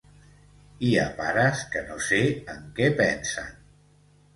Hi ha pares que no sé en què pensen.